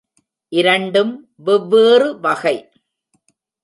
இரண்டும் வெவ்வேறு வகை.